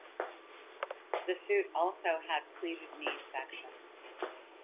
The suit also had pleated knee sections.